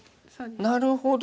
なるほど。